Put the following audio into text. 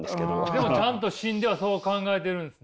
でもちゃんと心ではそう考えてるんですね。